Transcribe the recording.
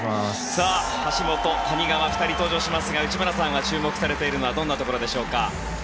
橋本、谷川２人が登場しますが内村さんが注目されているのはどんなところでしょうか。